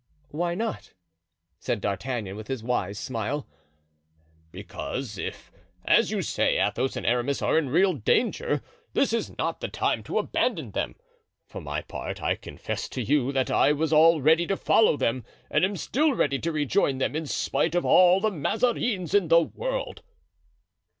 "Why not?" said D'Artagnan, with his wise smile. "Because if, as you say, Athos and Aramis are in real danger, this is not the time to abandon them. For my part, I confess to you that I was all ready to follow them and am still ready to rejoin them, in spite of all the Mazarins in the world."